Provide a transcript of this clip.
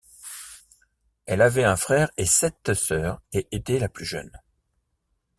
Elle avait un frère et sept sœurs, et était la plus jeune.